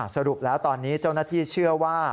สรุปแล้วตอนนี้เจ้าหน้าที่เชื่อว่า